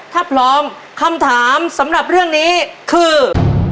ถ้าพร้อมคำถามสำหรับเรื่องนี้คือ